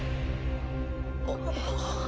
あっ。